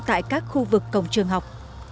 tại các khu vực cổng trường học